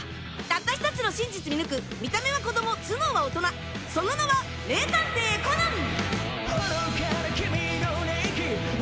たった１つの真実見抜く見た目は子供頭脳は大人その名は名探偵コナン！